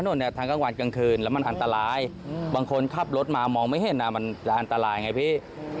เนี่ยทางกลางวันกลางคืนแล้วมันอันตรายบางคนขับรถมามองไม่เห็นมันจะอันตรายไงพี่